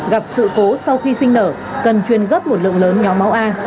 gặp sự cố sau khi sinh nở cần truyền gấp một lượng lớn nhóm máu a